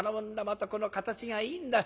またこの形がいいんだ。